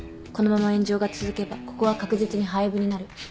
このまま炎上が続けばここは確実に廃部になる。